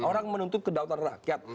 orang menuntut kedaulatan rakyat